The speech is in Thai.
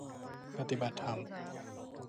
ปฏิบัติธรรม